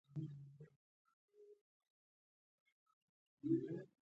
افغانستان اوس له اقتصادي پلوه یو غریب ملک دی.